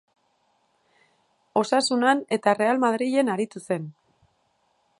Osasunan eta Real Madrilen aritu zen.